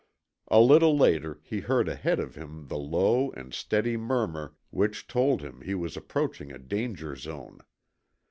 A little later he heard ahead of him the low and steady murmur which told him he was approaching a danger zone.